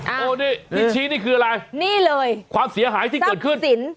โอ้นี่นิชชีนี่คืออะไรสักสินที่เสียหายจากนมหวานนี่เลยนี่เลย